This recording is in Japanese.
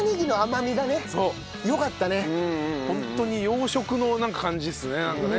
ホントに洋食の感じっすねなんかね。